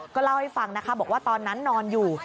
ก็เล่าให้ฟังนะคะบอกว่าตอนนั้นนอนอยู่